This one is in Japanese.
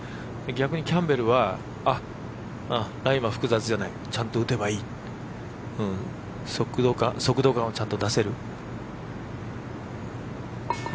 逆にキャンベルは今、複雑じゃないちゃんと打てばいい速度感をちゃんと出せる。